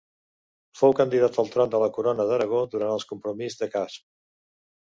Fou candidat al tron de la Corona d'Aragó durant el Compromís de Casp.